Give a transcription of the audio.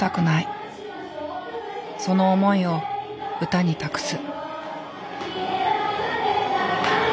その思いを歌に託す。